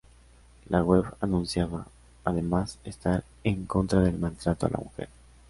La web anunciaba, además, estar en contra del maltrato a la mujer.